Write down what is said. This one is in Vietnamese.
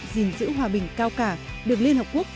gìn giữ hòa bình cao cả được liên hợp quốc